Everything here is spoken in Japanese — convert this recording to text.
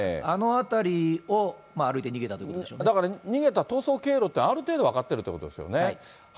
あの辺りを歩いて逃げたというこだから、逃げた逃走経路というのは、ある程度分かっているということですよね。